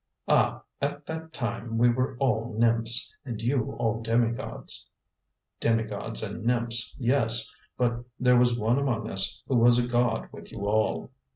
"Ah, at that time we were all nymphs, and you all demigods." "Demigods and nymphs, yes; but there was one among us who was a god with you all."